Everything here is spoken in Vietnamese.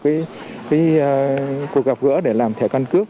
cái cuộc gặp gỡ để làm thẻ căn cứ